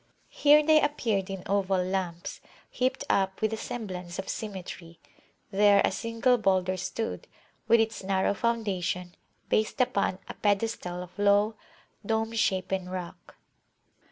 Here they appeared in oval lumps, heaped up with a semblance of symmetry; there a single boulder stood, with its narrow foundation based upon a pedestal of low, dome shapen rock.